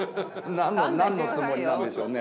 何の何のつもりなんでしょうね。